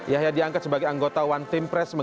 yahya diangkat sebagai anggota one team press